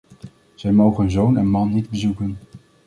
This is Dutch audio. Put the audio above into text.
Zij mogen hun zoon en man niet bezoeken.